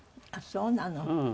ああそうなの？